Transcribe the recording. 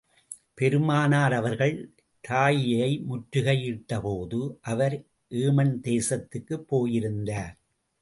பெருமானார் அவர்கள், தாயிபை முற்றுகையிட்ட போது, அவர் ஏமன் தேசத்துக்குப் போயிருந்தார்.